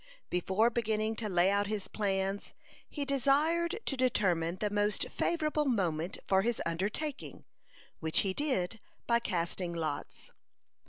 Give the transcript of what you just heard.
(106) Before beginning to lay out his plans, he desired to determine the most favorable moment for his undertaking, which he did by casting lots.